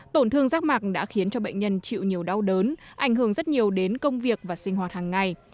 tổn thương rác mạc đã khiến cho bệnh nhân chịu nhiều đau đớn ảnh hưởng rất nhiều đến công việc và sinh hoạt hàng ngày